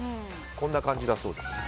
こんな感じだそうです。